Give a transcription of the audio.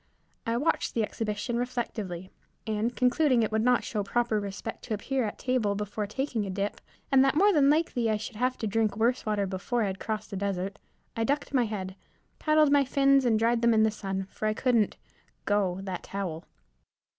I watched the exhibition reflectively, and, concluding it would not show proper respect to appear at table before taking a dip, and that more than likely I should have to drink worse water before I had crossed the desert, I ducked my head, paddled my fins, then dried them in the sun, for I couldn't "go" that towel.